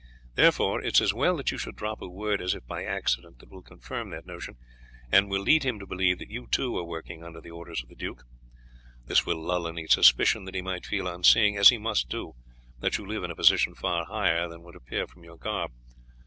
Therefore, it is as well that you should drop a word as if by accident that will confirm that notion, and will lead him to believe that you too are working under the orders of the duke. This will lull any suspicion that he might feel on seeing, as he must do, that you live in a position far higher than would appear from your garb.